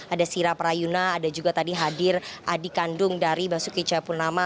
ada sira prayuna ada juga tadi hadir adik kandung dari pak suki cahayapunama